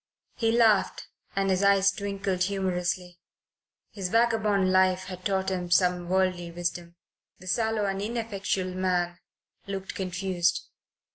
He laughed and his eyes twinkled humorously. His vagabond life had taught him some worldly wisdom. The sallow and ineffectual man looked confused.